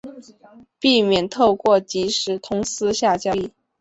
避免透过即时通私下交易